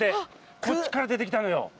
こっちから出て来たのよ。